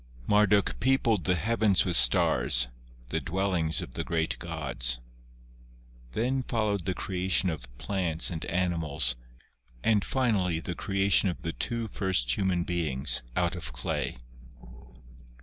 Marduk peopled the heavens with stars, the dwellings of the great gods. Then followed the crea tion of plants and animals and finally the creation of the two first human beings out of clay.